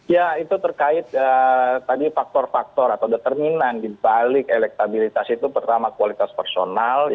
ya itu terkait tadi faktor faktor atau determinan dibalik elektabilitas itu pertama kualitas personal